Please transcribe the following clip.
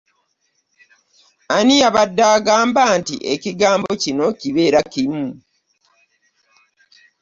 Ani yabadde agamba nti ekigambo kino kibeera kimu?